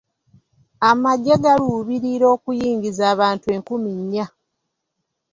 Amagye galuubirira okuyingiza abantu enkumi nnya.